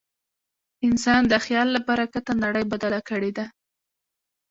انسان د خیال له برکته نړۍ بدله کړې ده.